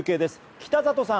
北里さん。